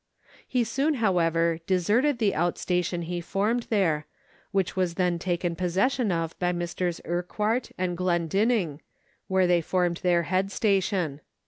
He soon, however, deserted the out station he formed there, which was then taken possession of by Messrs. Urquhart and Glen dinning, where they formed their head station.